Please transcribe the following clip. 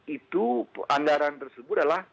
itu andaran tersebut adalah